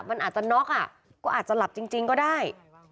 มันอาจจะน็อกอ่ะก็อาจจะหลับจริงก็ได้